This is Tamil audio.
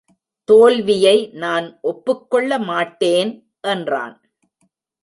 தோல்வியை நான் ஒப்புக்கொள்ள மாட்டேன்! என்றான்.